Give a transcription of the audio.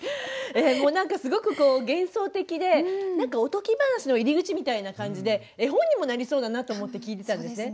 もう何かすごくこう幻想的でおとぎ話の入り口みたいな感じで絵本にもなりそうだなと思って聞いてたんですね。